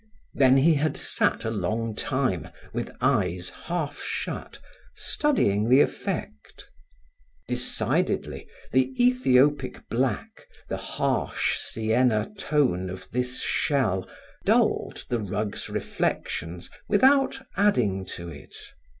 Then he had sat a long time, with eyes half shut, studying the effect. Decidedly, the Ethiopic black, the harsh Sienna tone of this shell dulled the rug's reflections without adding to it.